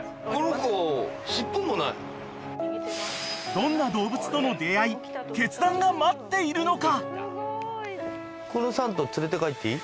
［どんな動物との出合い決断が待っているのか］